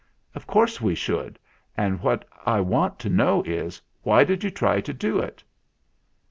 "Of course we should, and what I want to know is, why did you try to do it?"